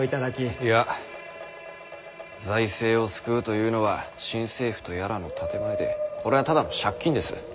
いや財政を救うというのは新政府とやらの建て前でこれはただの借金です。